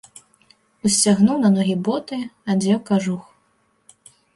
Усцягнуў на ногі боты, адзеў кажух.